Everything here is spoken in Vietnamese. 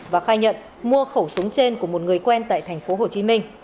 và khai nhận mua khẩu súng trên của một người quen tại tp hcm